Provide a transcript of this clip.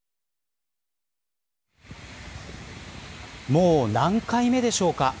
もう、何回目でしょうか。